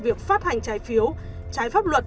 việc phát hành trái phiếu trái pháp luật